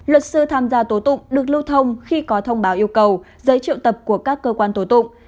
luật sư tham gia tố tụng được lưu thông khi có thông báo yêu cầu giấy triệu tập của các cơ quan tổ tụng